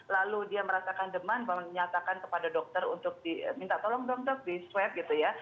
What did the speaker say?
lalu dia merasakan demam menyatakan kepada dokter untuk diminta tolong dong dok di swab gitu ya